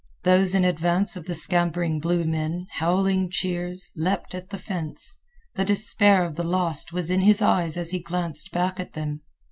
Those in advance of the scampering blue men, howling cheers, leaped at the fence. The despair of the lost was in his eyes as he glanced back at them.